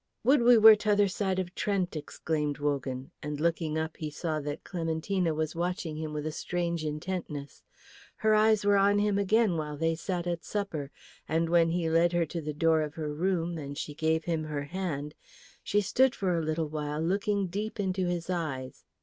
"Would we were t'other side of Trent!" exclaimed Wogan; and looking up he saw that Clementina was watching him with a strange intentness. Her eyes were on him again while they sat at supper; and when he led her to the door of her room and she gave him her hand, she stood for a little while looking deep into his eyes.